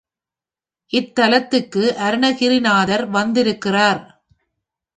இத்தலத்துக்கு அருணகிரிநாதர் வந்திருக்கிறார்.